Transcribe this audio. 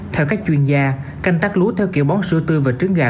theo các chuyên gia canh tắt lúa theo kiểu bón sữa tươi và trứng gà